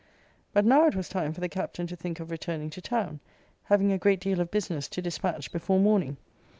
But now it was time for the Captain to think of returning to town, having a great deal of business to dispatch before morning.